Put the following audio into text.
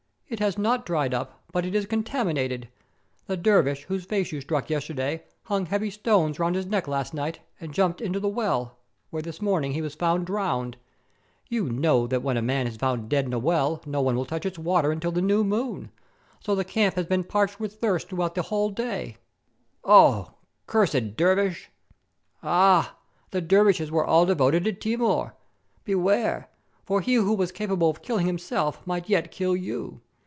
"It has not dried up, but it is contaminated. The der vish whose face you struck yesterday hung heavy stones round his neck last night and jumped into the well, where this morning he was found drowned. You know that when a man has been found dead in a well no one will touch its waters until the new moon. So the camp has been parched with thirst throughout the whole day!" 465 TURKEY "Oh! cursed dervish!" "Ah! the dervishes were all devoted to Timur. Be ware, for he who was capable of killing himself might yet kill you.